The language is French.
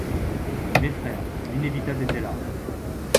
Mes frères, l’inévitable était là.